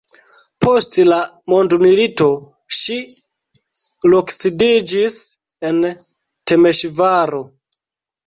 Post la mondmilito ŝi loksidiĝis en Temeŝvaro.